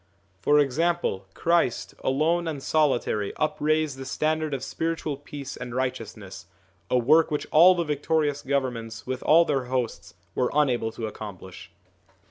For example, Christ, alone and solitary, upraised the standard of spiritual peace and righteousness, a work which all the victorious governments with all their hosts were unable to accomplish.